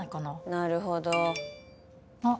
なるほどあっ